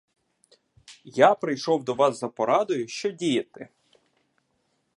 Я прийшов до вас за порадою, що діяти.